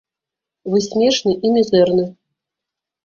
Вы смешны і мізэрны.